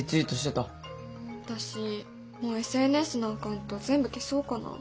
私もうＳＮＳのアカウント全部消そうかな。